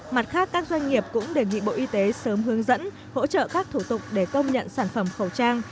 mặt khác các doanh nghiệp cũng đề nghị bộ y tế sớm hướng dẫn hỗ trợ các thủ tục để công nhận sản phẩm khẩu trang